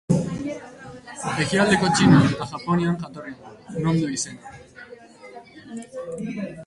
Ekialdeko Txinan eta Japonian jatorria du, non du izena.